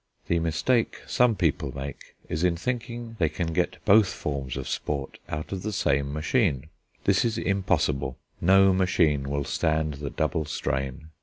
The mistake some people make is in thinking they can get both forms of sport out of the same machine. This is impossible; no machine will stand the double strain.